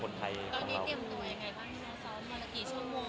ตอนนี้เตรียมตัวอย่างไรบ้างนะครับซ้อมมาละกี่ชั่วโมง